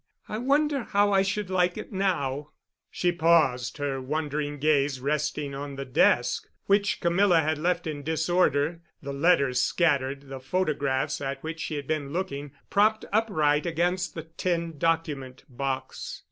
I wonder how I should like it now——" She paused, her wandering gaze resting on the desk, which Camilla had left in disorder, the letters scattered, the photographs at which she had been looking propped upright against the tin document box.